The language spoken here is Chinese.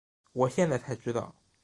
我现在才知道